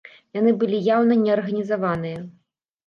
Яны былі яўна неарганізаваныя.